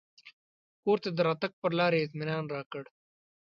کور ته د راتګ پر لار یې اطمنان راکړ.